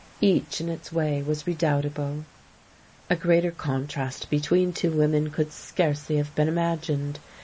Each, in its way, was redoubtable. A greater contrast between two women could scarcely have been imagined.